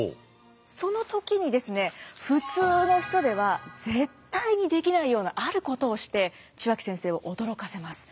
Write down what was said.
その時にですね普通の人では絶対にできないようなあることをして血脇先生を驚かせます。